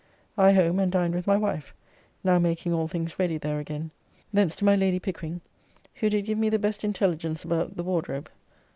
I home and dined with my wife, now making all things ready there again. Thence to my Lady Pickering, who did give me the best intelligence about the Wardrobe.